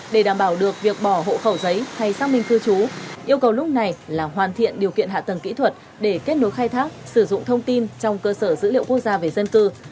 để đảm bảo được việc bỏ hộ khẩu giấy hay xác minh cư trú yêu cầu lúc này là hoàn thiện điều kiện hạ tầng kỹ thuật để kết nối khai thác sử dụng thông tin trong cơ sở dữ liệu quốc gia về dân cư